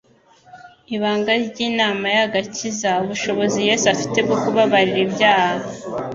ibanga ry'inama y'agakiza, ubushobozi Yesu afite bwo kubabarira ibyaha;